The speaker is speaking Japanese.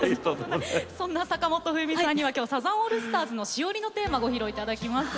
そんな坂本冬美さんにはサザンオールスターズの「栞のテーマ」をご披露いただきます。